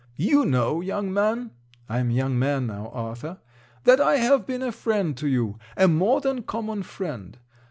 'You know, young man, (I am young man now, Arthur), that I have been a friend to you, a more than common friend.